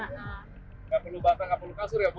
nggak perlu batang nggak perlu kasur ya bu